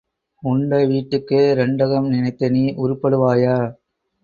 உண்ட வீட்டுக்கே இரண்டகம் நினைத்த நீ உருப்படுவாயா?